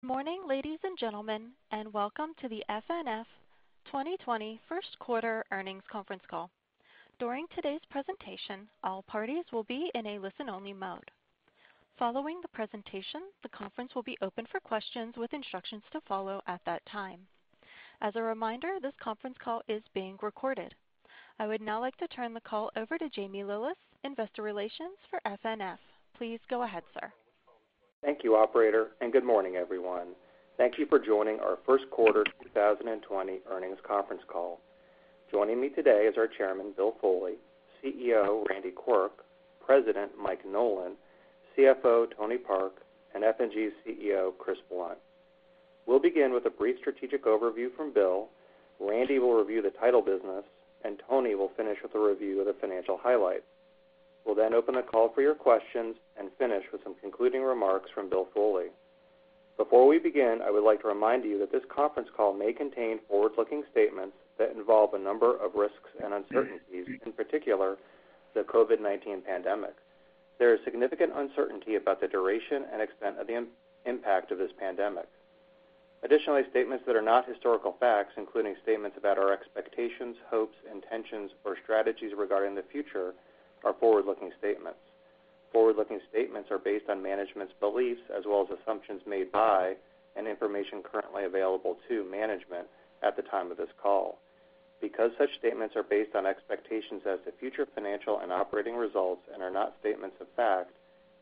Good morning, ladies and gentlemen, and welcome to the FNF 2020 First Quarter Earnings Conference Call. During today's presentation, all parties will be in a listen-only mode. Following the presentation, the conference will be open for questions with instructions to follow at that time. As a reminder, this conference call is being recorded. I would now like to turn the call over to Jamie Lillis, Investor Relations for FNF. Please go ahead, sir. Thank you, Operator, and good morning, everyone. Thank you for joining our First Quarter 2020 Earnings Conference Call. Joining me today is our Chairman, Bill Foley; CEO, Randy Quirk; President, Mike Nolan; CFO, Tony Park; and F&G CEO, Chris Blunt. We'll begin with a brief strategic overview from Bill. Randy will review the title business, and Tony will finish with a review of the financial highlights. We'll then open the call for your questions and finish with some concluding remarks from Bill Foley. Before we begin, I would like to remind you that this conference call may contain forward-looking statements that involve a number of risks and uncertainties, in particular, the COVID-19 pandemic. There is significant uncertainty about the duration and extent of the impact of this pandemic. Additionally, statements that are not historical facts, including statements about our expectations, hopes, intentions, or strategies regarding the future, are forward-looking statements. Forward-looking statements are based on management's beliefs as well as assumptions made by and information currently available to management at the time of this call. Because such statements are based on expectations as to future financial and operating results and are not statements of fact,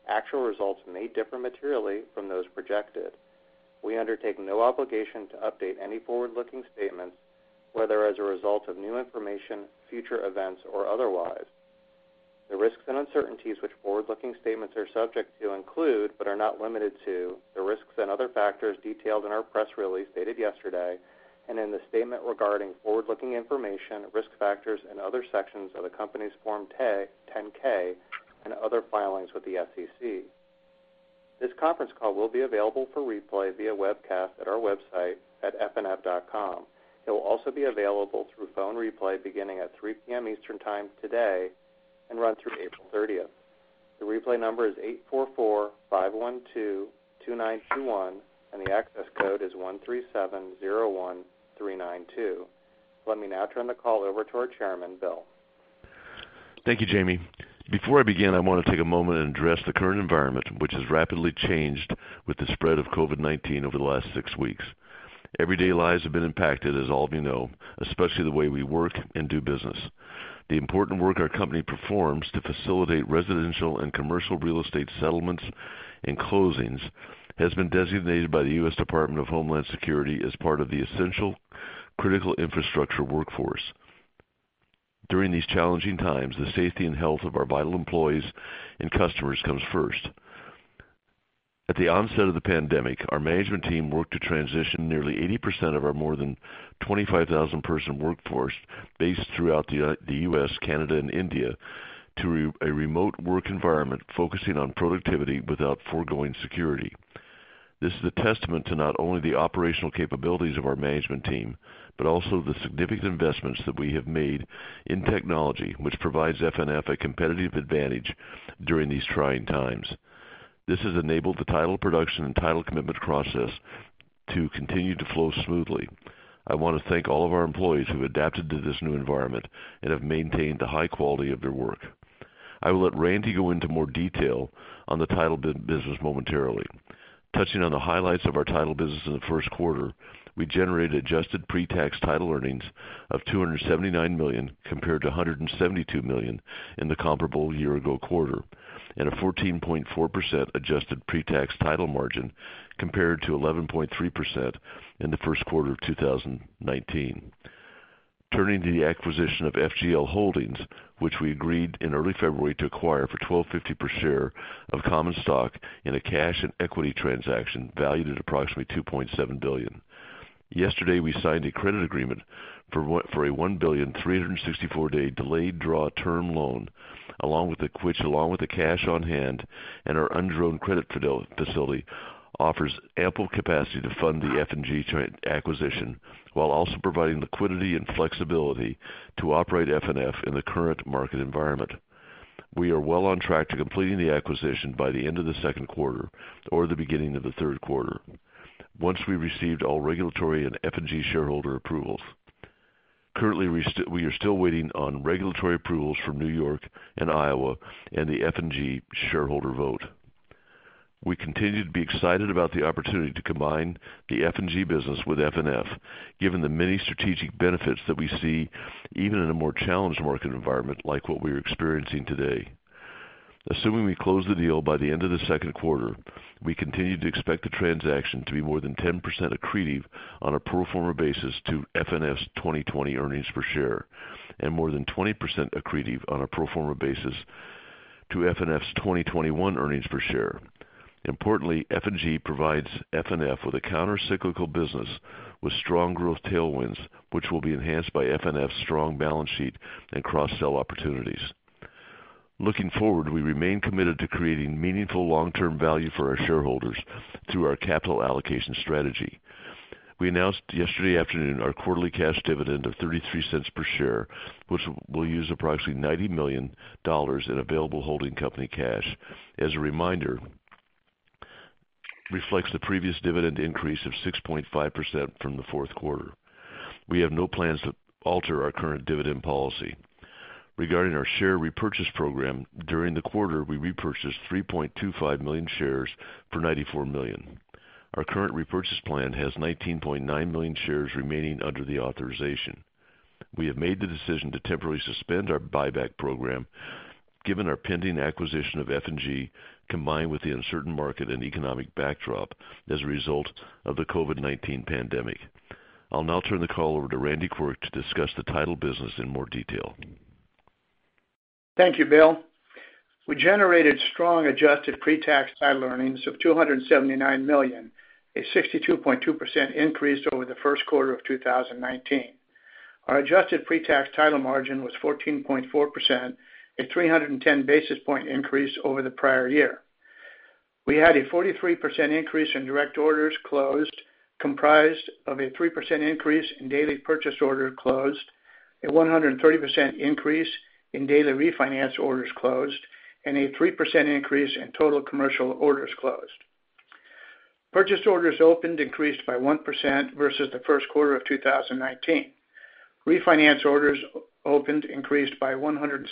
actual results may differ materially from those projected. We undertake no obligation to update any forward-looking statements, whether as a result of new information, future events, or otherwise. The risks and uncertainties which forward-looking statements are subject to include, but are not limited to, the risks and other factors detailed in our press release dated yesterday and in the statement regarding forward-looking information, risk factors, and other sections of the company's Form 10-K and other filings with the SEC. This conference call will be available for replay via webcast at our website at fnf.com. It will also be available through phone replay beginning at 3:00 P.M. Eastern Time today and run through April 30th. The replay number is 844-512-2921, and the access code is 13701392. Let me now turn the call over to our Chairman, Bill. Thank you, Jamie. Before I begin, I want to take a moment and address the current environment, which has rapidly changed with the spread of COVID-19 over the last six weeks. Everyday lives have been impacted, as all of you know, especially the way we work and do business. The important work our company performs to facilitate residential and commercial real estate settlements and closings has been designated by the U.S. Department of Homeland Security as part of the essential critical infrastructure workforce. During these challenging times, the safety and health of our vital employees and customers comes first. At the onset of the pandemic, our management team worked to transition nearly 80% of our more than 25,000-person workforce based throughout the U.S., Canada, and India to a remote work environment focusing on productivity without foregoing security. This is a testament to not only the operational capabilities of our management team but also the significant investments that we have made in technology, which provides FNF a competitive advantage during these trying times. This has enabled the title production and title commitment process to continue to flow smoothly. I want to thank all of our employees who have adapted to this new environment and have maintained the high quality of their work. I will let Randy go into more detail on the title business momentarily. Touching on the highlights of our title business in the first quarter, we generated adjusted pre-tax title earnings of $279 million compared to $172 million in the comparable year-ago quarter and a 14.4% adjusted pre-tax title margin compared to 11.3% in the first quarter of 2019. Turning to the acquisition of FGL Holdings, which we agreed in early February to acquire for $1,250 per share of common stock in a cash and equity transaction valued at approximately $2.7 billion. Yesterday, we signed a credit agreement for a $1 billion, 364-day delayed draw term loan, which, along with the cash on hand and our undrawn credit facility, offers ample capacity to fund the F&G joint acquisition while also providing liquidity and flexibility to operate FNF in the current market environment. We are well on track to completing the acquisition by the end of the second quarter or the beginning of the third quarter once we've received all regulatory and F&G shareholder approvals. Currently, we are still waiting on regulatory approvals from New York and Iowa and the F&G shareholder vote. We continue to be excited about the opportunity to combine the F&G business with FNF, given the many strategic benefits that we see even in a more challenged market environment like what we are experiencing today. Assuming we close the deal by the end of the second quarter, we continue to expect the transaction to be more than 10% accretive on a pro forma basis to FNF's 2020 earnings per share and more than 20% accretive on a pro forma basis to FNF's 2021 earnings per share. Importantly, F&G provides FNF with a countercyclical business with strong growth tailwinds, which will be enhanced by FNF's strong balance sheet and cross-sell opportunities. Looking forward, we remain committed to creating meaningful long-term value for our shareholders through our capital allocation strategy. We announced yesterday afternoon our quarterly cash dividend of $0.33 per share, which will use approximately $90 million in available holding company cash. As a reminder, it reflects the previous dividend increase of 6.5% from the fourth quarter. We have no plans to alter our current dividend policy. Regarding our share repurchase program, during the quarter, we repurchased 3.25 million shares for $94 million. Our current repurchase plan has 19.9 million shares remaining under the authorization. We have made the decision to temporarily suspend our buyback program given our pending acquisition of F&G, combined with the uncertain market and economic backdrop as a result of the COVID-19 pandemic. I'll now turn the call over to Randy Quirk to discuss the title business in more detail. Thank you, Bill. We generated strong adjusted pre-tax title earnings of $279 million, a 62.2% increase over the first quarter of 2019. Our adjusted pre-tax title margin was 14.4%, a 310 basis points increase over the prior year. We had a 43% increase in direct orders closed, comprised of a 3% increase in daily purchase orders closed, a 130% increase in daily refinance orders closed, and a 3% increase in total commercial orders closed. Purchase orders opened increased by 1% versus the first quarter of 2019. Refinance orders opened increased by 170%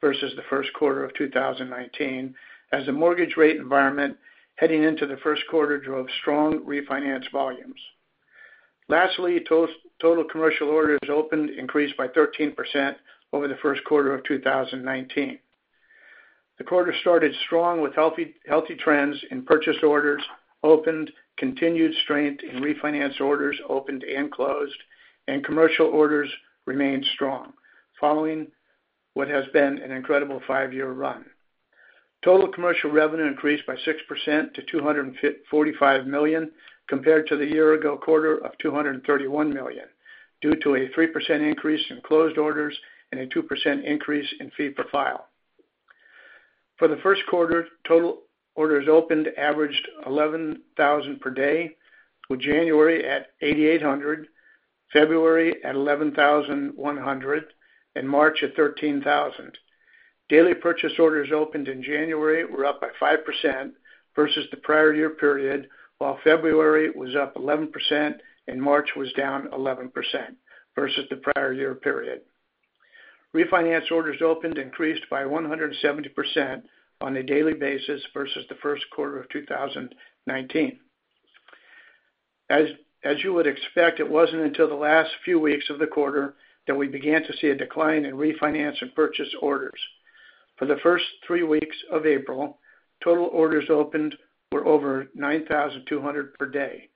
versus the first quarter of 2019 as the mortgage rate environment heading into the first quarter drove strong refinance volumes. Lastly, total commercial orders opened increased by 13% over the first quarter of 2019. The quarter started strong with healthy trends in purchase orders opened, continued strength in refinance orders opened and closed, and commercial orders remained strong following what has been an incredible five-year run. Total commercial revenue increased by 6% to $245 million compared to the year-ago quarter of $231 million due to a 3% increase in closed orders and a 2% increase in fee-per-file. For the first quarter, total orders opened averaged 11,000 per day, with January at 8,800, February at 11,100, and March at 13,000. Daily purchase orders opened in January were up by 5% versus the prior year period, while February was up 11% and March was down 11% versus the prior year period. Refinance orders opened increased by 170% on a daily basis versus the first quarter of 2019. As you would expect, it wasn't until the last few weeks of the quarter that we began to see a decline in refinance and purchase orders. For the first three weeks of April, total orders opened were over 9,200 per day.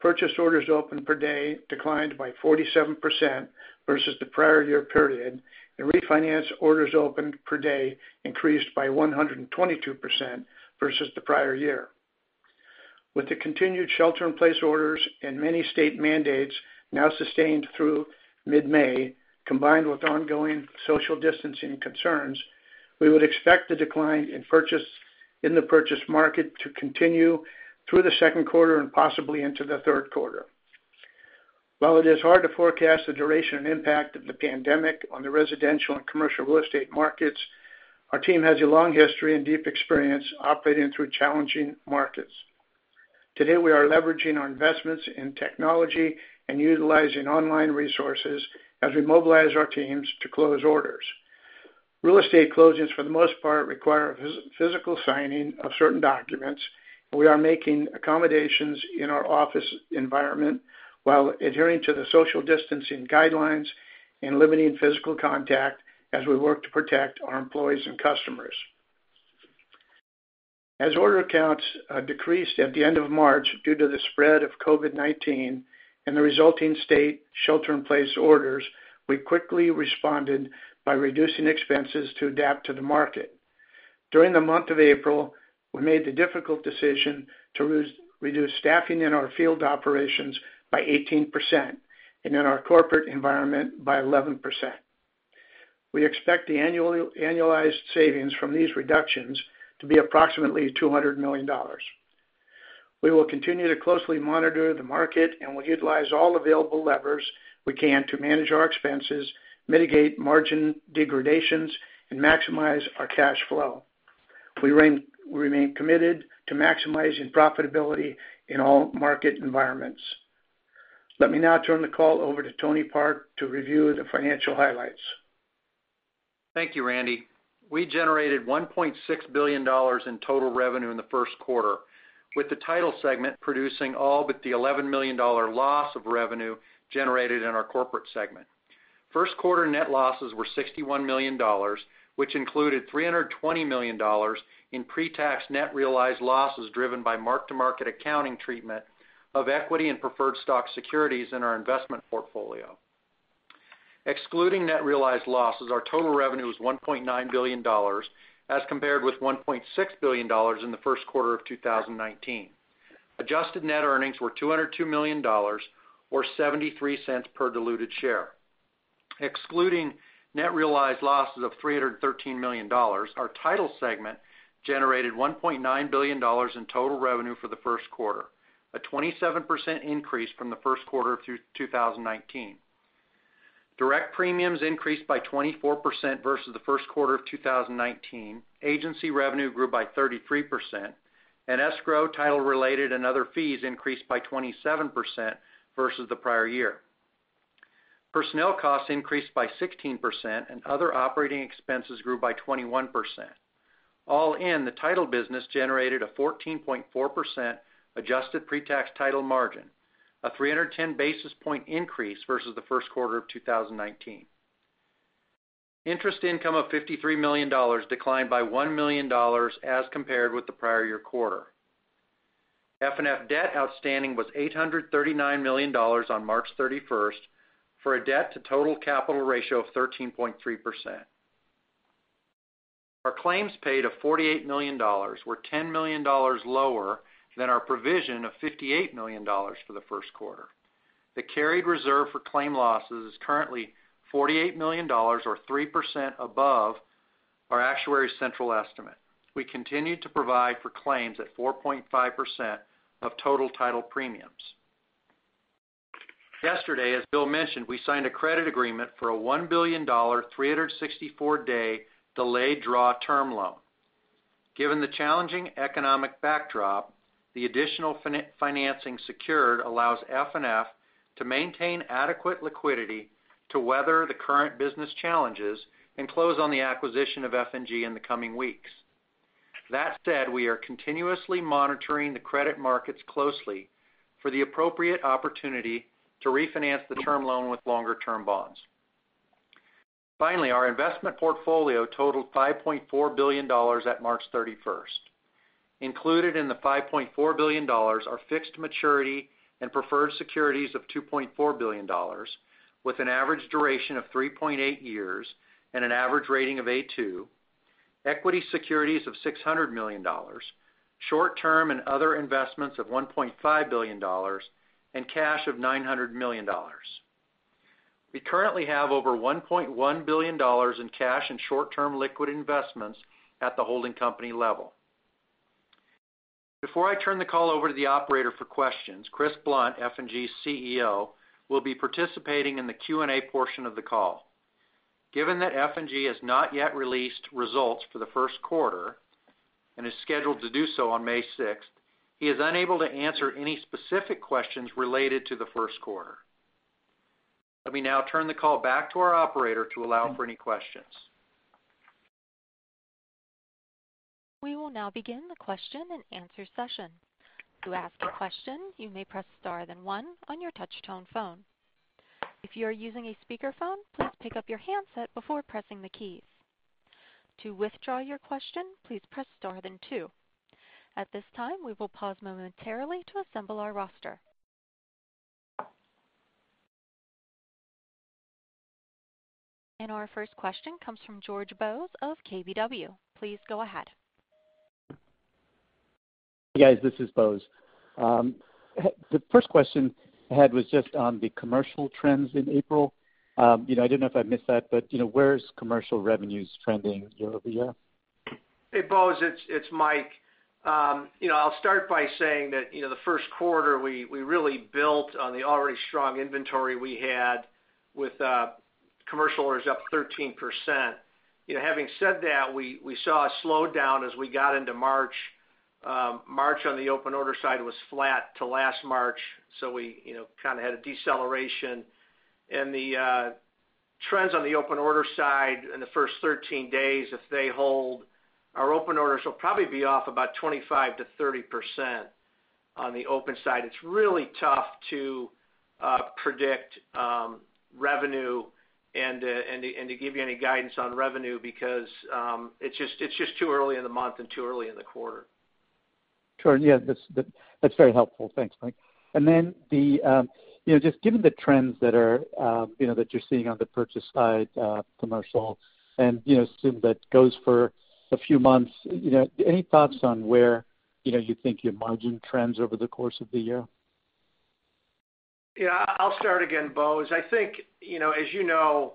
Purchase orders opened per day declined by 47% versus the prior year period, and refinance orders opened per day increased by 122% versus the prior year. With the continued shelter-in-place orders and many state mandates now sustained through mid-May, combined with ongoing social distancing concerns, we would expect the decline in the purchase market to continue through the second quarter and possibly into the third quarter. While it is hard to forecast the duration and impact of the pandemic on the residential and commercial real estate markets, our team has a long history and deep experience operating through challenging markets. Today, we are leveraging our investments in technology and utilizing online resources as we mobilize our teams to close orders. Real estate closings, for the most part, require physical signing of certain documents, and we are making accommodations in our office environment while adhering to the social distancing guidelines and limiting physical contact as we work to protect our employees and customers. As order counts decreased at the end of March due to the spread of COVID-19 and the resulting state shelter-in-place orders, we quickly responded by reducing expenses to adapt to the market. During the month of April, we made the difficult decision to reduce staffing in our field operations by 18% and in our corporate environment by 11%. We expect the annualized savings from these reductions to be approximately $200 million. We will continue to closely monitor the market and will utilize all available levers we can to manage our expenses, mitigate margin degradations, and maximize our cash flow. We remain committed to maximizing profitability in all market environments. Let me now turn the call over to Tony Park to review the financial highlights. Thank you, Randy. We generated $1.6 billion in total revenue in the first quarter, with the title segment producing all but the $11 million loss of revenue generated in our corporate segment. First quarter net losses were $61 million, which included $320 million in pre-tax net realized losses driven by mark-to-market accounting treatment of equity and preferred stock securities in our investment portfolio. Excluding net realized losses, our total revenue was $1.9 billion as compared with $1.6 billion in the first quarter of 2019. Adjusted net earnings were $202 million, or $0.73 per diluted share. Excluding net realized losses of $313 million, our title segment generated $1.9 billion in total revenue for the first quarter, a 27% increase from the first quarter of 2019. Direct premiums increased by 24% versus the first quarter of 2019. Agency revenue grew by 33%, and escrow, title-related, and other fees increased by 27% versus the prior year. Personnel costs increased by 16%, and other operating expenses grew by 21%. All in, the title business generated a 14.4% adjusted pre-tax title margin, a 310 basis point increase versus the first quarter of 2019. Interest income of $53 million declined by $1 million as compared with the prior year quarter. FNF debt outstanding was $839 million on March 31st for a debt-to-total capital ratio of 13.3%. Our claims paid of $48 million were $10 million lower than our provision of $58 million for the first quarter. The carried reserve for claim losses is currently $48 million, or 3% above our actuary central estimate. We continued to provide for claims at 4.5% of total title premiums. Yesterday, as Bill mentioned, we signed a credit agreement for a $1 billion, 364-day delayed draw term loan. Given the challenging economic backdrop, the additional financing secured allows FNF to maintain adequate liquidity to weather the current business challenges and close on the acquisition of F&G in the coming weeks. That said, we are continuously monitoring the credit markets closely for the appropriate opportunity to refinance the term loan with longer-term bonds. Finally, our investment portfolio totaled $5.4 billion at March 31st. Included in the $5.4 billion are fixed maturity and preferred securities of $2.4 billion, with an average duration of 3.8 years and an average rating of A2, equity securities of $600 million, short-term and other investments of $1.5 billion, and cash of $900 million. We currently have over $1.1 billion in cash and short-term liquid investments at the holding company level. Before I turn the call over to the operator for questions, Chris Blunt, F&G's CEO, will be participating in the Q&A portion of the call. Given that F&G has not yet released results for the first quarter and is scheduled to do so on May 6th, he is unable to answer any specific questions related to the first quarter. Let me now turn the call back to our operator to allow for any questions. We will now begin the question-and-answer session. To ask a question, you may press star then one on your touch-tone phone. If you are using a speakerphone, please pick up your handset before pressing the keys. To withdraw your question, please press star then two. At this time, we will pause momentarily to assemble our roster, and our first question comes from George Bose of KBW. Please go ahead. Hey, guys. This is Bose. The first question I had was just on the commercial trends in April. I didn't know if I missed that, but where is commercial revenues trending year over year? Hey, Bose. It's Mike. I'll start by saying that the first quarter, we really built on the already strong inventory we had with commercial orders up 13%. Having said that, we saw a slowdown as we got into March. March on the open order side was flat to last March, so we kind of had a deceleration. And the trends on the open order side in the first 13 days, if they hold, our open orders will probably be off about 25%-30% on the open side. It's really tough to predict revenue and to give you any guidance on revenue because it's just too early in the month and too early in the quarter. Sure. Yeah. That's very helpful. Thanks, Mike. And then just given the trends that you're seeing on the purchase side, commercial, and assume that goes for a few months, any thoughts on where you think your margin trends over the course of the year? Yeah. I'll start again, Bose. I think, as you know,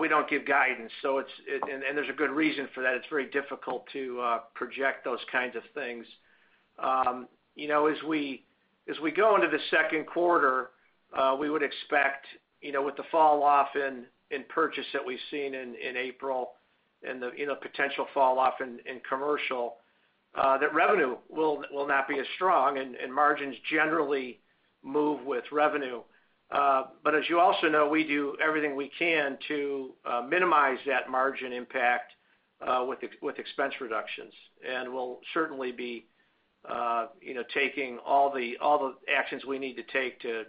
we don't give guidance, and there's a good reason for that. It's very difficult to project those kinds of things. As we go into the second quarter, we would expect with the fall off in purchase that we've seen in April and the potential fall off in commercial, that revenue will not be as strong, and margins generally move with revenue. But as you also know, we do everything we can to minimize that margin impact with expense reductions, and we'll certainly be taking all the actions we need to take to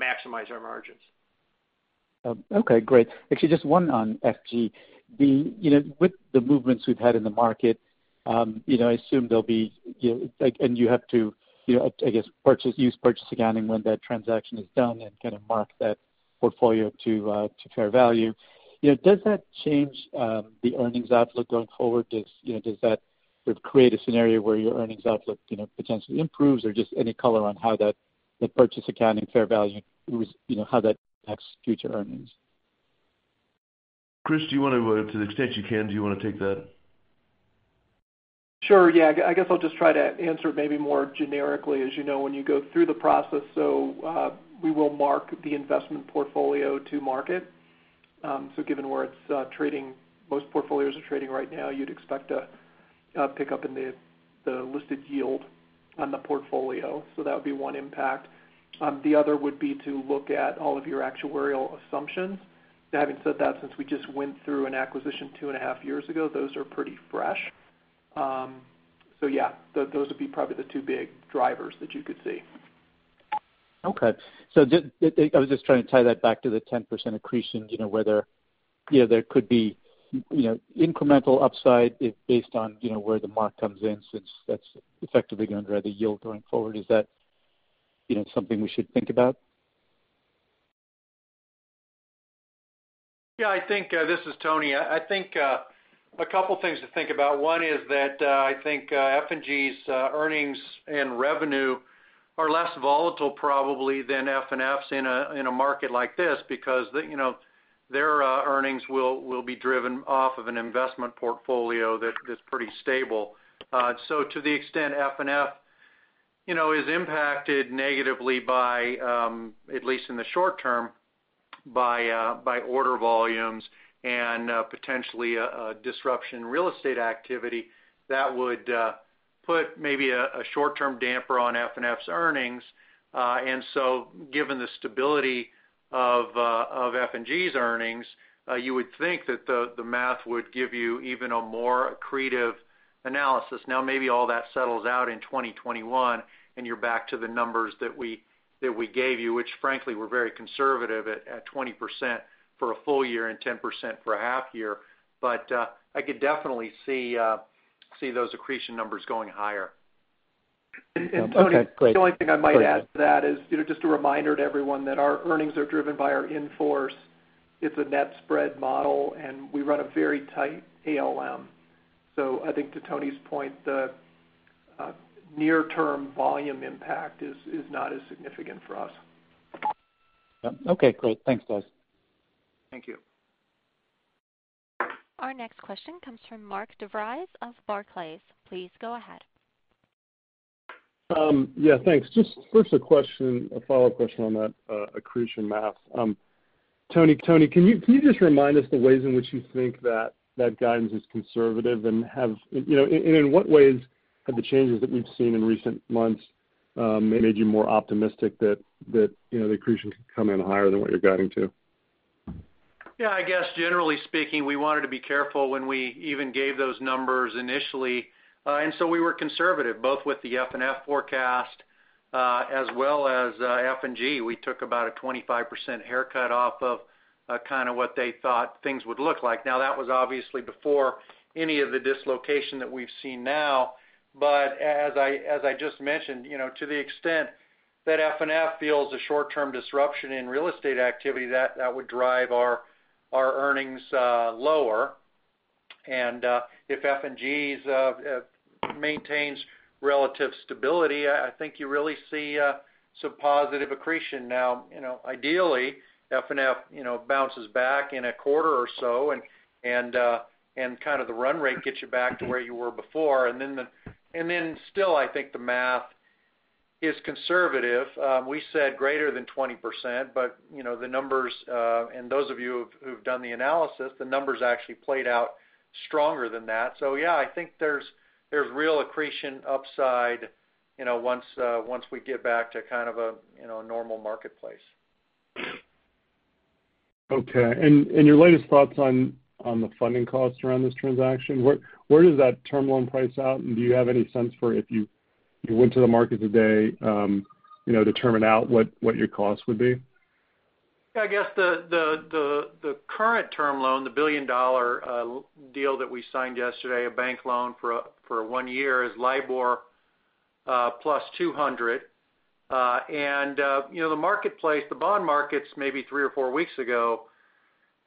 maximize our margins. Okay. Great. Actually, just one on FG. With the movements we've had in the market, I assume there'll be, and you have to, I guess, use purchase accounting when that transaction is done and kind of mark that portfolio to fair value. Does that change the earnings outlook going forward? Does that create a scenario where your earnings outlook potentially improves, or just any color on how that purchase accounting fair value, how that impacts future earnings? Chris, do you want to, to the extent you can, do you want to take that? Sure. Yeah. I guess I'll just try to answer it maybe more generically. As you know, when you go through the process, so we will mark the investment portfolio to market. So given where it's trading, most portfolios are trading right now, you'd expect a pickup in the listed yield on the portfolio. So that would be one impact. The other would be to look at all of your actuarial assumptions. Having said that, since we just went through an acquisition two and a half years ago, those are pretty fresh. So yeah, those would be probably the two big drivers that you could see. Okay, so I was just trying to tie that back to the 10% accretion, where there could be incremental upside based on where the mark comes in since that's effectively going to drive the yield going forward. Is that something we should think about? Yeah. This is Tony. I think a couple of things to think about. One is that I think F&G's earnings and revenue are less volatile probably than FNF's in a market like this because their earnings will be driven off of an investment portfolio that's pretty stable. So to the extent FNF is impacted negatively by, at least in the short term, by order volumes and potentially disruption in real estate activity, that would put maybe a short-term damper on FNF's earnings. And so given the stability of F&G's earnings, you would think that the math would give you even a more accretive analysis. Now, maybe all that settles out in 2021, and you're back to the numbers that we gave you, which frankly, we're very conservative at 20% for a full year and 10% for a half year. But I could definitely see those accretion numbers going higher. And Tony. The only thing I might add to that is just a reminder to everyone that our earnings are driven by our inflows. It's a net spread model, and we run a very tight ALM. So I think to Tony's point, the near-term volume impact is not as significant for us. Okay. Great. Thanks, guys. Thank you. Our next question comes from Mark DeVries of Barclays. Please go ahead. Yeah. Thanks. Just first, a follow-up question on that accretion math. Tony. Tony, can you just remind us the ways in which you think that guidance is conservative and in what ways have the changes that we've seen in recent months made you more optimistic that the accretion could come in higher than what you're guiding to? Yeah. I guess, generally speaking, we wanted to be careful when we even gave those numbers initially. And so we were conservative, both with the FNF forecast as well as F&G. We took about a 25% haircut off of kind of what they thought things would look like. Now, that was obviously before any of the dislocation that we've seen now. But as I just mentioned, to the extent that FNF feels a short-term disruption in real estate activity, that would drive our earnings lower. And if F&G maintains relative stability, I think you really see some positive accretion now. Ideally, FNF bounces back in a quarter or so, and kind of the run rate gets you back to where you were before. And then still, I think the math is conservative. We said greater than 20%, but the numbers, and those of you who've done the analysis, the numbers actually played out stronger than that. So yeah, I think there's real accretion upside once we get back to kind of a normal marketplace. Okay. And your latest thoughts on the funding costs around this transaction? Where does that term loan price out? And do you have any sense for if you went to the market today to determine out what your cost would be? Yeah. I guess the current term loan, the $1 billion deal that we signed yesterday, a bank loan for one year, is LIBOR plus 200. And the marketplace, the bond markets, maybe three or four weeks ago,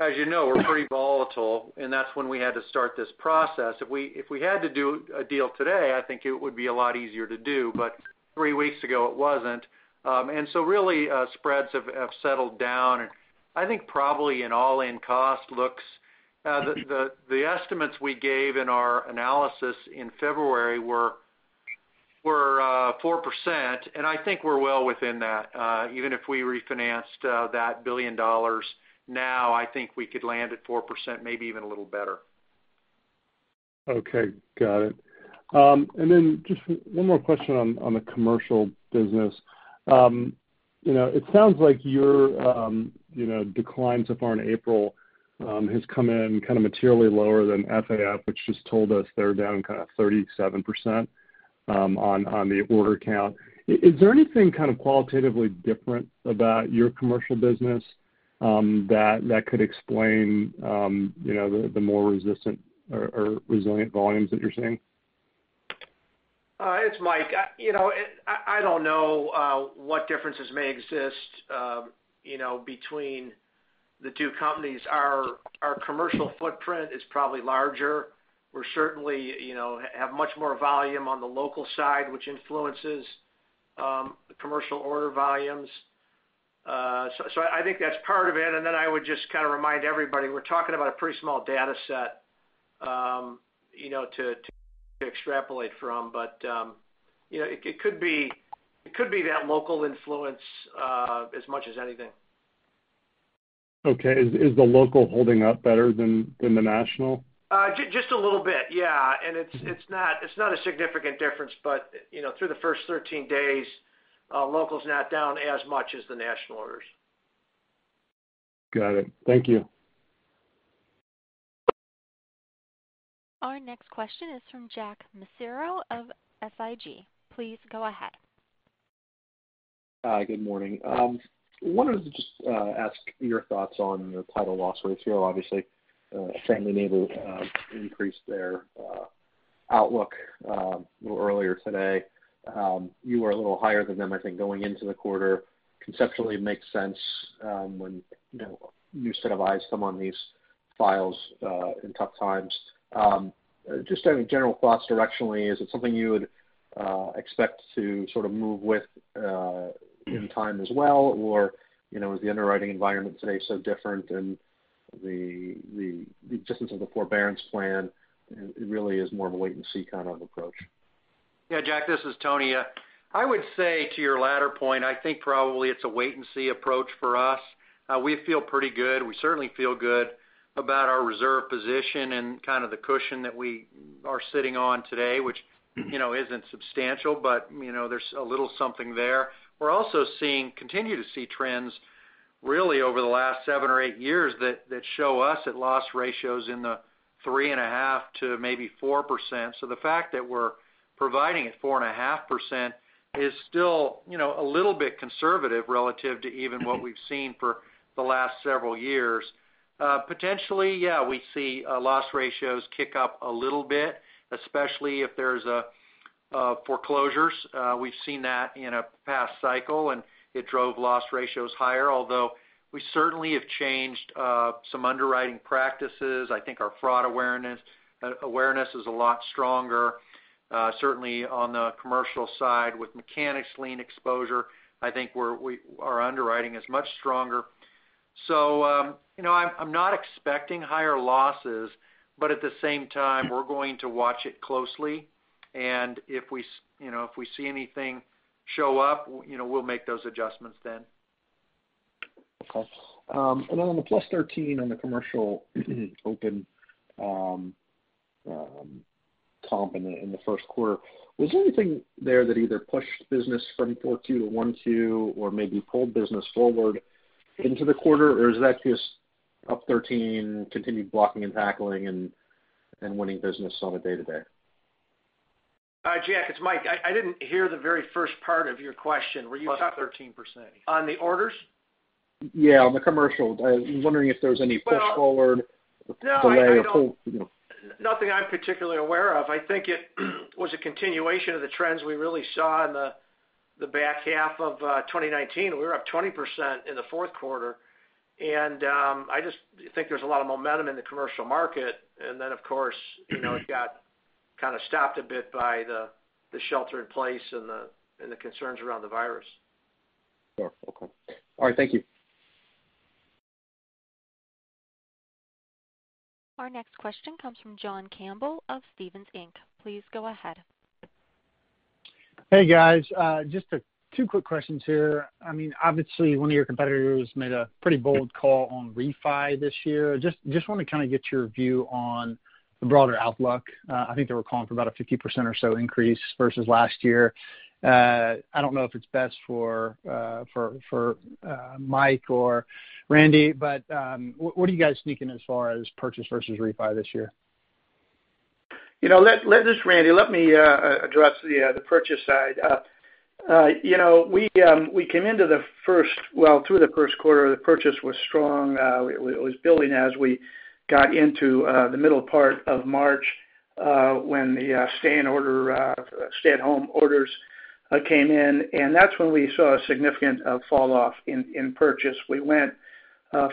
as you know, were pretty volatile, and that's when we had to start this process. If we had to do a deal today, I think it would be a lot easier to do, but three weeks ago, it wasn't. And so really, spreads have settled down. And I think probably an all-in cost looks. The estimates we gave in our analysis in February were 4%, and I think we're well within that. Even if we refinanced that $1 billion now, I think we could land at 4%, maybe even a little better. Okay. Got it. And then just one more question on the commercial business. It sounds like your decline so far in April has come in kind of materially lower than FAF, which just told us they're down kind of 37% on the order count. Is there anything kind of qualitatively different about your commercial business that could explain the more resistant or resilient volumes that you're seeing? It's Mike. I don't know what differences may exist between the two companies. Our commercial footprint is probably larger. We certainly have much more volume on the local side, which influences commercial order volumes. So I think that's part of it. And then I would just kind of remind everybody we're talking about a pretty small data set to extrapolate from, but it could be that local influence as much as anything. Okay. Is the local holding up better than the national? Just a little bit. Yeah, and it's not a significant difference, but through the first 13 days, local's not down as much as the national orders. Got it. Thank you. Our next question is from Jack Micenko of FIG. Please go ahead. Hi. Good morning. I wanted to just ask your thoughts on the title loss ratio. Obviously, Fannie Mae and the MBA increased their outlook a little earlier today. You were a little higher than them, I think, going into the quarter. Conceptually, it makes sense when a new set of eyes come on these files in tough times. Just general thoughts directionally, is it something you would expect to sort of move with in time as well, or is the underwriting environment today so different, and the existence of the forbearance plan, it really is more of a wait-and-see kind of approach. Yeah. Jack, this is Tony. I would say to your latter point, I think probably it's a wait-and-see approach for us. We feel pretty good. We certainly feel good about our reserve position and kind of the cushion that we are sitting on today, which isn't substantial, but there's a little something there. We're also continuing to see trends really over the last seven or eight years that show us at loss ratios in the 3.5% to maybe 4%. So the fact that we're providing at 4.5% is still a little bit conservative relative to even what we've seen for the last several years. Potentially, yeah, we see loss ratios kick up a little bit, especially if there's foreclosures. We've seen that in a past cycle, and it drove loss ratios higher, although we certainly have changed some underwriting practices. I think our fraud awareness is a lot stronger. Certainly, on the commercial side with mechanic's lien exposure, I think our underwriting is much stronger. So I'm not expecting higher losses, but at the same time, we're going to watch it closely. And if we see anything show up, we'll make those adjustments then. Okay. And then on the plus 13 on the commercial open comp in the first quarter, was there anything there that either pushed business from 4Q to 1Q or maybe pulled business forward into the quarter, or is that just up 13, continued blocking and tackling, and winning business on a day-to-day? Jack, it's Mike. I didn't hear the very first part of your question. Were you talking? Plus 13%. On the orders? Yeah. On the commercial. I was wondering if there was any push forward, delay, or pull? Nothing I'm particularly aware of. I think it was a continuation of the trends we really saw in the back half of 2019. We were up 20% in the fourth quarter, and I just think there's a lot of momentum in the commercial market, and then, of course, it got kind of stopped a bit by the shelter-in-place and the concerns around the virus. Sure. Okay. All right. Thank you. Our next question comes from John Campbell of Stephens Inc. Please go ahead. Hey, guys. Just two quick questions here. I mean, obviously, one of your competitors made a pretty bold call on refi this year. Just want to kind of get your view on the broader outlook. I think they were calling for about a 50% or so increase versus last year. I don't know if it's best for Mike or Randy, but what are you guys thinking as far as purchase versus refi this year? Let's just, Randy, let me address the purchase side. We came into the year well, through the first quarter, the purchase was strong. It was building as we got into the middle part of March when the stay-at-home orders came in. That's when we saw a significant falloff in purchase. We went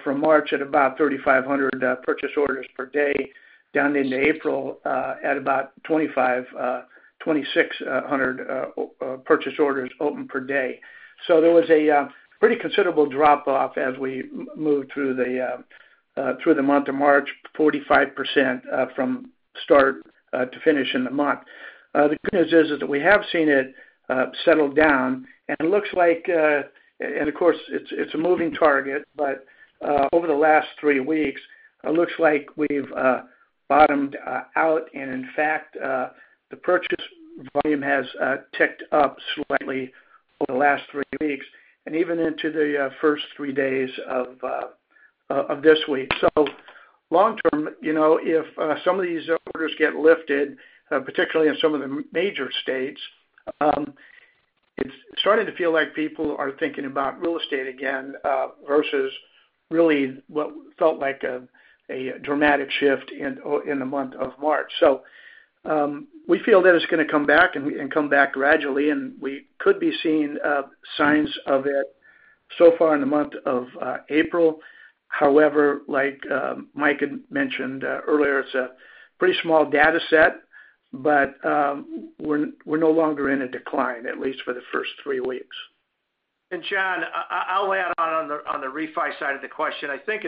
from March at about 3,500 purchase orders per day down into April at about 2,600 purchase orders open per day. There was a pretty considerable drop-off as we moved through the month of March, 45% from start to finish in the month. The good news is that we have seen it settle down. It looks like, and of course, it's a moving target, but over the last three weeks, it looks like we've bottomed out. In fact, the purchase volume has ticked up slightly over the last three weeks and even into the first three days of this week. So long term, if some of these orders get lifted, particularly in some of the major states, it's starting to feel like people are thinking about real estate again versus really what felt like a dramatic shift in the month of March. So we feel that it's going to come back and come back gradually. And we could be seeing signs of it so far in the month of April. However, like Mike had mentioned earlier, it's a pretty small data set, but we're no longer in a decline, at least for the first three weeks. And John, I'll add on on the refi side of the question. I think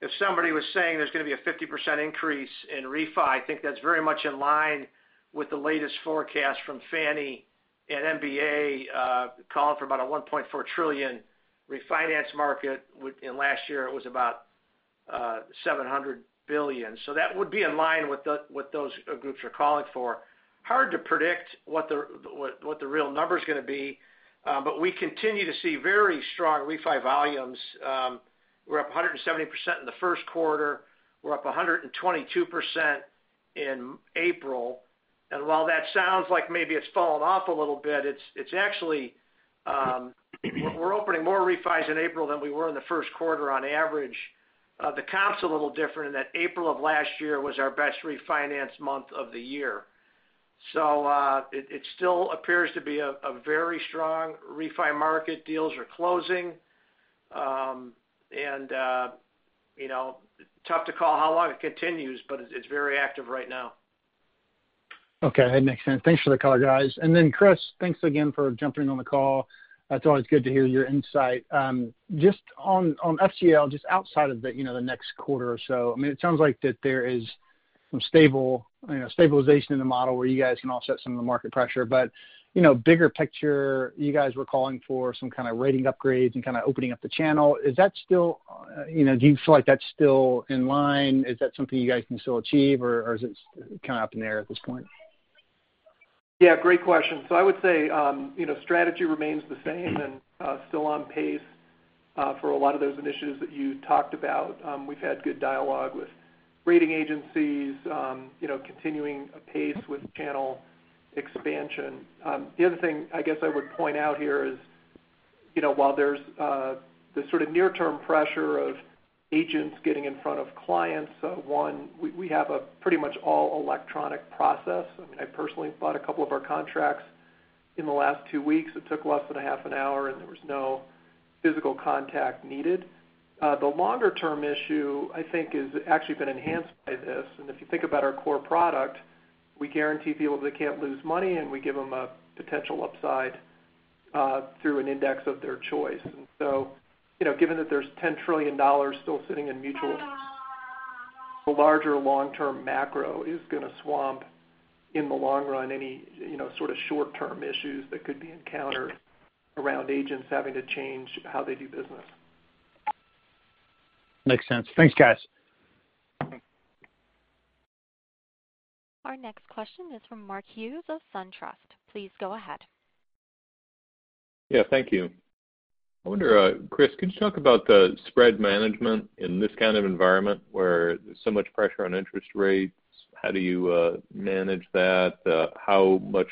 if somebody was saying there's going to be a 50% increase in refi, I think that's very much in line with the latest forecast from Fannie and MBA calling for about a $1.4 trillion refinance market. In last year, it was about $700 billion. So that would be in line with what those groups are calling for. Hard to predict what the real number is going to be, but we continue to see very strong refi volumes. We're up 170% in the first quarter. We're up 122% in April. And while that sounds like maybe it's fallen off a little bit, it's actually we're opening more refis in April than we were in the first quarter on average. The comp's a little different in that April of last year was our best refinance month of the year. So it still appears to be a very strong refi market. Deals are closing, and tough to call how long it continues, but it's very active right now. Okay. That makes sense. Thanks for the call, guys. And then Chris, thanks again for jumping on the call. It's always good to hear your insight. Just on FGL, just outside of the next quarter or so, I mean, it sounds like that there is some stabilization in the model where you guys can offset some of the market pressure. But bigger picture, you guys were calling for some kind of rating upgrades and kind of opening up the channel. Is that still? Do you feel like that's still in line? Is that something you guys can still achieve, or is it kind of up in the air at this point? Yeah. Great question. So I would say strategy remains the same and still on pace for a lot of those initiatives that you talked about. We've had good dialogue with rating agencies, continuing pace with channel expansion. The other thing I guess I would point out here is while there's the sort of near-term pressure of agents getting in front of clients, one, we have a pretty much all-electronic process. I mean, I personally bought a couple of our contracts in the last two weeks. It took less than a half an hour, and there was no physical contact needed. The longer-term issue, I think, has actually been enhanced by this. And if you think about our core product, we guarantee people that they can't lose money, and we give them a potential upside through an index of their choice. And so given that there's $10 trillion still sitting in mutuals, the larger long-term macro is going to swamp in the long run any sort of short-term issues that could be encountered around agents having to change how they do business. Makes sense. Thanks, guys. Our next question is from Mark Hughes of SunTrust. Please go ahead. Yeah. Thank you. I wonder, Chris, could you talk about the spread management in this kind of environment where there's so much pressure on interest rates? How do you manage that? How much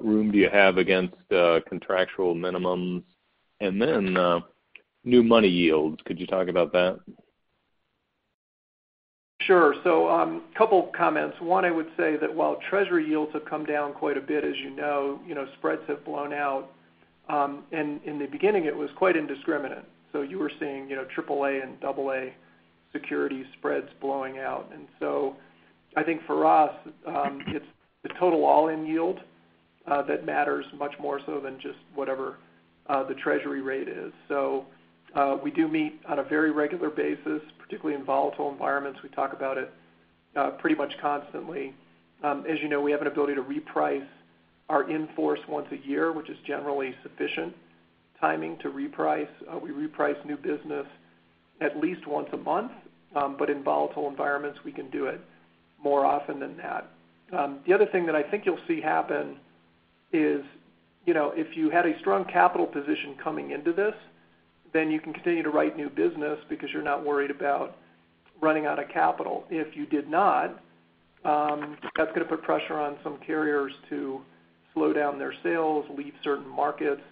room do you have against contractual minimums? And then new money yields, could you talk about that? Sure. So a couple of comments. One, I would say that while Treasury yields have come down quite a bit, as you know, spreads have blown out. And in the beginning, it was quite indiscriminate. So you were seeing AAA and AA securities spreads blowing out. And so I think for us, it's the total all-in yield that matters much more so than just whatever the Treasury rate is. So we do meet on a very regular basis, particularly in volatile environments. We talk about it pretty much constantly. As you know, we have an ability to reprice our in force once a year, which is generally sufficient timing to reprice. We reprice new business at least once a month, but in volatile environments, we can do it more often than that. The other thing that I think you'll see happen is if you had a strong capital position coming into this, then you can continue to write new business because you're not worried about running out of capital. If you did not, that's going to put pressure on some carriers to slow down their sales, leave certain markets.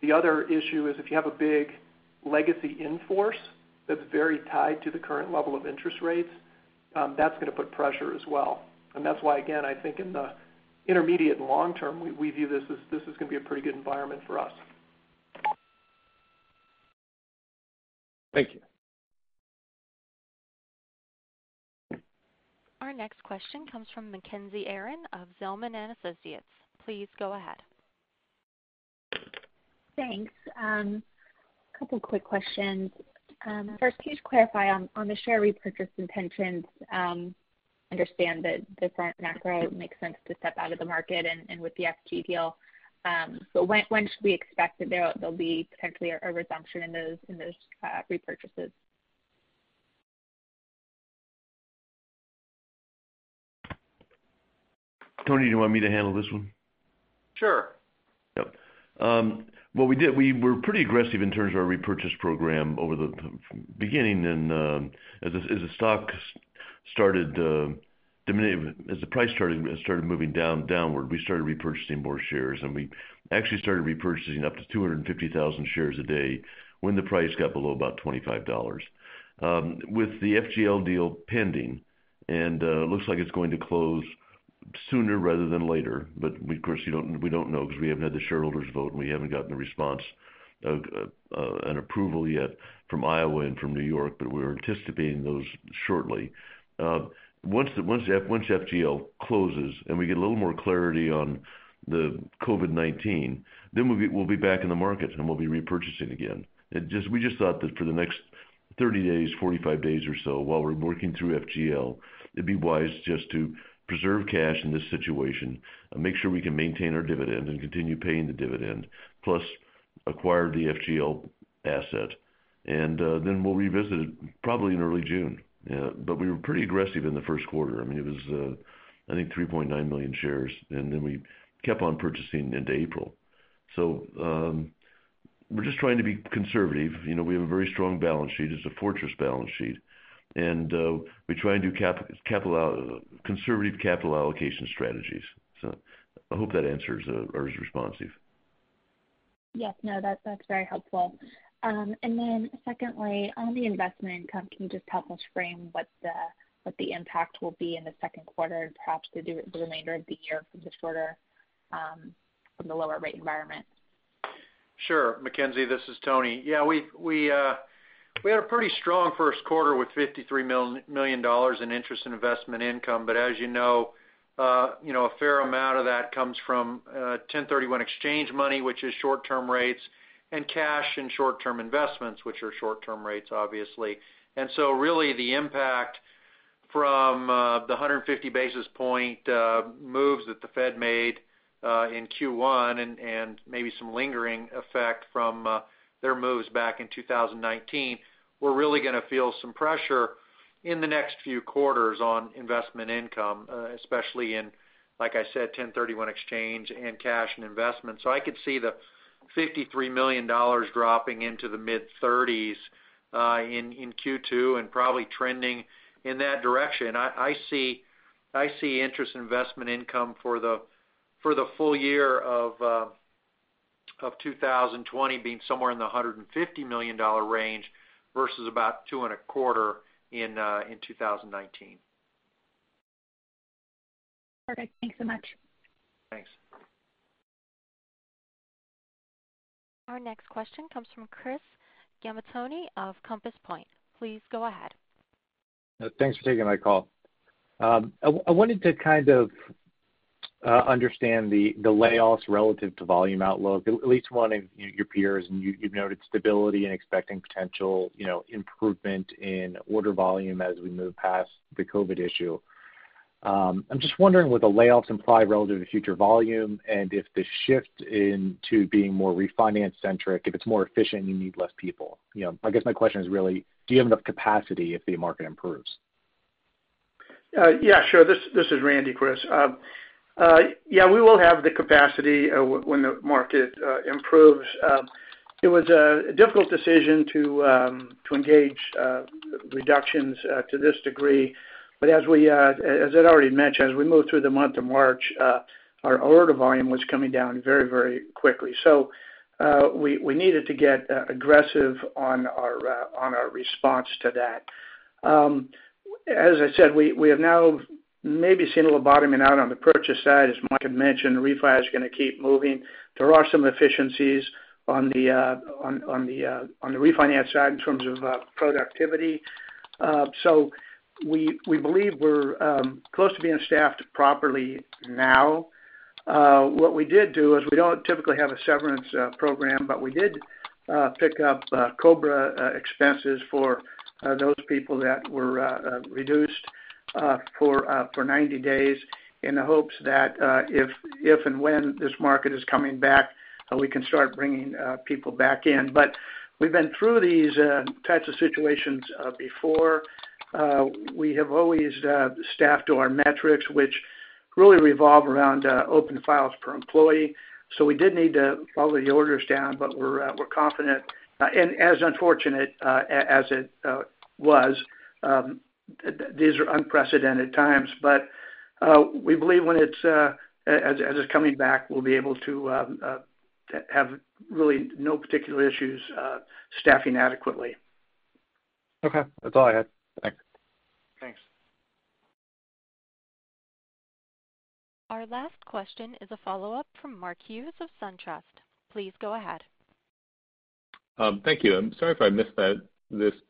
The other issue is if you have a big legacy inforce that's very tied to the current level of interest rates, that's going to put pressure as well, and that's why, again, I think in the intermediate and long term, we view this as this is going to be a pretty good environment for us. Thank you. Our next question comes from Mackenzie Aron of Zelman & Associates. Please go ahead. Thanks. A couple of quick questions. First, can you just clarify on the share repurchase intentions? I understand that from the macro makes sense to step out of the market and with the F&G deal. But when should we expect that there'll be potentially a resumption in those repurchases? Tony, do you want me to handle this one? Sure. Yep. Well, we were pretty aggressive in terms of our repurchase program over the beginning. And as the price started moving downward, we started repurchasing more shares. And we actually started repurchasing up to 250,000 shares a day when the price got below about $25. With the FGL deal pending, and it looks like it's going to close sooner rather than later. But of course, we don't know because we haven't had the shareholders' vote, and we haven't gotten a response of an approval yet from Iowa and from New York, but we're anticipating those shortly. Once FGL closes and we get a little more clarity on the COVID-19, then we'll be back in the market, and we'll be repurchasing again. We just thought that for the next 30 days, 45 days or so, while we're working through F&G, it'd be wise just to preserve cash in this situation and make sure we can maintain our dividend and continue paying the dividend, plus acquire the F&G asset, and then we'll revisit it probably in early June, but we were pretty aggressive in the first quarter. I mean, it was, I think, 3.9 million shares, and then we kept on purchasing into April, so we're just trying to be conservative. We have a very strong balance sheet. It's a fortress balance sheet. And we try and do conservative capital allocation strategies, so I hope that answers or is responsive. Yes. No, that's very helpful, and then secondly, on the investment income, can you just help us frame what the impact will be in the second quarter and perhaps the remainder of the year from the lower-rate environment? Sure. Mackenzie, this is Tony. Yeah. We had a pretty strong first quarter with $53 million in interest and investment income. But as you know, a fair amount of that comes from 1031 exchange money, which is short-term rates, and cash and short-term investments, which are short-term rates, obviously. And so really, the impact from the 150 basis point moves that the Fed made in Q1 and maybe some lingering effect from their moves back in 2019. We're really going to feel some pressure in the next few quarters on investment income, especially in, like I said, 1031 exchange and cash and investment. So I could see the $53 million dropping into the mid-30s in Q2 and probably trending in that direction. I see interest investment income for the full year of 2020 being somewhere in the $150 million range versus about $225 million in 2019. Perfect. Thanks so much. Thanks. Our next question comes from Chris Gamaitoni of Compass Point. Please go ahead. Thanks for taking my call. I wanted to kind of understand the layoffs relative to volume outlook. At least one of your peers, and you've noted stability and expecting potential improvement in order volume as we move past the COVID issue. I'm just wondering what the layoffs imply relative to future volume and if the shift into being more refinance-centric, if it's more efficient and you need less people. I guess my question is really, do you have enough capacity if the market improves? Yeah. Sure. This is Randy, Chris. Yeah. We will have the capacity when the market improves. It was a difficult decision to engage reductions to this degree. But as I'd already mentioned, as we moved through the month of March, our order volume was coming down very, very quickly. So we needed to get aggressive on our response to that. As I said, we have now maybe seen a little bottoming out on the purchase side. As Mike had mentioned, refi is going to keep moving. There are some efficiencies on the refinance side in terms of productivity. So we believe we're close to being staffed properly now. What we did do is we don't typically have a severance program, but we did pick up COBRA expenses for those people that were reduced for 90 days in the hopes that if and when this market is coming back, we can start bringing people back in. But we've been through these types of situations before. We have always staffed to our metrics, which really revolve around open files per employee. So we did need to follow the orders down, but we're confident. And as unfortunate as it was, these are unprecedented times. But we believe when it's coming back, we'll be able to have really no particular issues staffing adequately. Okay. That's all I had. Thanks. Thanks. Our last question is a follow-up from Mark Hughes of SunTrust. Please go ahead. Thank you. I'm sorry if I missed that.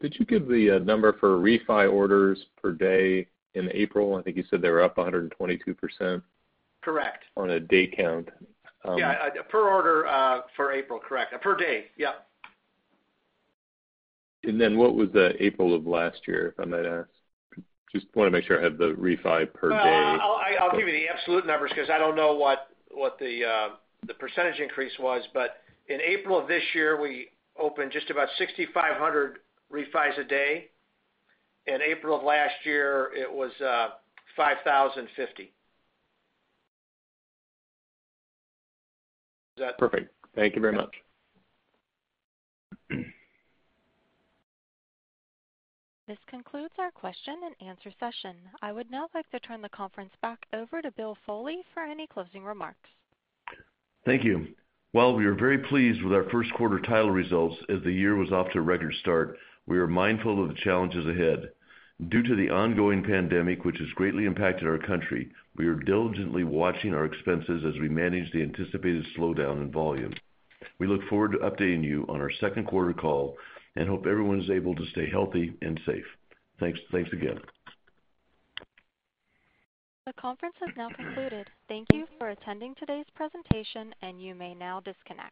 Did you give the number for refi orders per day in April? I think you said they were up 122%. Correct. On a day count. Yeah. Per order for April, correct. Per day. Yep. And then what was April of last year, if I might ask? Just want to make sure I have the refi per day. I'll give you the absolute numbers because I don't know what the percentage increase was. But in April of this year, we opened just about 6,500 refis a day. In April of last year, it was 5,050. Is that? Perfect. Thank you very much. This concludes our question and answer session. I would now like to turn the conference back over to Bill Foley for any closing remarks. Thank you. We are very pleased with our first quarter title results as the year was off to a record start. We are mindful of the challenges ahead. Due to the ongoing pandemic, which has greatly impacted our country, we are diligently watching our expenses as we manage the anticipated slowdown in volume. We look forward to updating you on our second quarter call and hope everyone is able to stay healthy and safe. Thanks again. The conference has now concluded. Thank you for attending today's presentation, and you may now disconnect.